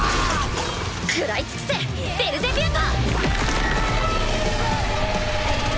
食らい尽くせベルゼビュート！